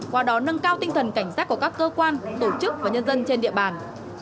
qua đó nâng cao tinh thần cảnh giác của các cơ quan tổ chức và nhân dân trên địa bàn